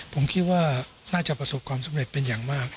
ผมคิดว่าน่าจะประสบความสำเร็จเป็นอย่างมาก